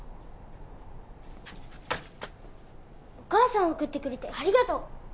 お母さんを送ってくれてありがとう！